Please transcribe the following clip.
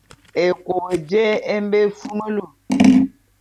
Ékop jé e mbe éfumulu.